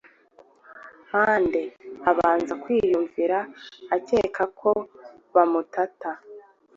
Mpande abanza kwiyumvira akeka ko bamutata.